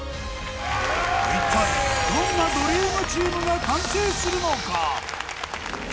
一体どんなドリームチームが完成するのか？